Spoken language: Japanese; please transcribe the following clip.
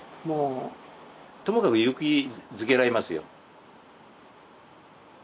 ともかく勇気づけられますよ。